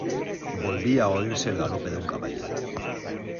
volvía a oírse el galope de un caballo.